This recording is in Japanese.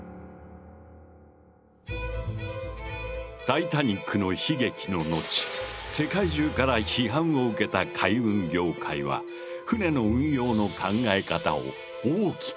タイタニックの悲劇の後世界中から批判を受けた海運業界はＳＯＬＡＳ条約を採択。